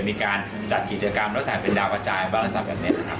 มีการจัดกิจกรรมแล้วสาเหตุเป็นดาวอาจารย์ว่าอะไรซักท่านครับ